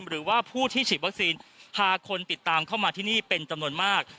หรือว่าผู้ที่ฉีดวัคซีนพาคนติดตามเข้ามาที่นี่เป็นจำนวนมาก